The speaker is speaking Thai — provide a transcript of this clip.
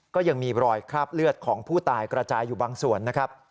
ก็ยังมีรอยคราบเลือดของผู้ตายกระจายอยู่บางส่วนนะครับ